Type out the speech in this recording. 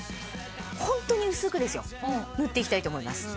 ホントに薄くですよ塗っていきたいと思います。